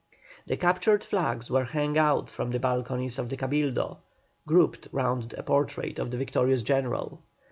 The captured flags were hung out from the balconies of the Cabildo, grouped round a portrait of the victorious general.